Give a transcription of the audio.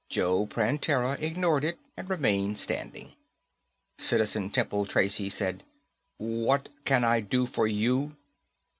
Joe Prantera ignored it and remained standing. Citizen Temple Tracy said, "What can I do for you?"